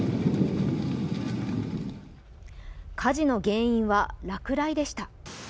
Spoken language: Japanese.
火事の原因は、落雷でした。